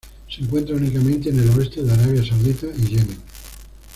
Se encuentra únicamente en el oeste de Arabia Saudita y Yemen.